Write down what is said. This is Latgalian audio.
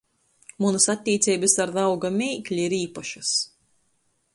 Munys attīceibys ar rauga meikli ir īpašys.